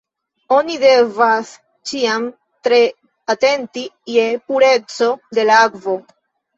Oni devas ĉiam tre atenti je pureco de la akvo.